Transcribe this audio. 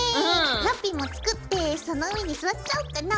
ラッピィも作ってその上に座っちゃおうかな。